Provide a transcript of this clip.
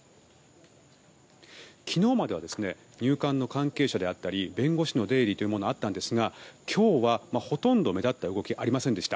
昨日までは入管の関係者だったり弁護士の出入りというものがあったんですが今日はほとんど目立った動きはありませんでした。